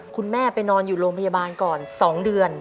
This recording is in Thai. คุณแม่ไปนอนอยู่โรงพยาบาลก่อน๒เดือน